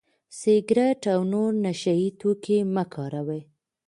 سګرټ او نور نشه يي توکي مه کاروئ.